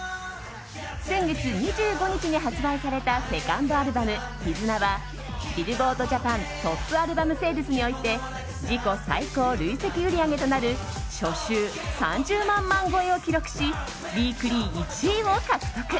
先月２５日に発売されたセカンドアルバム「ＫＩＺＵＮＡ」はビルボードジャパントップアルバムセールスにおいて自己最高累積売り上げとなる初週３０万枚超えを記録しウィークリー１位を獲得。